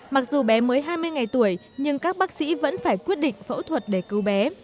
mặc dù bé mới hai mươi ngày tuổi nhưng các bác sĩ vẫn phải quyết định phẫu thuật để cứu bé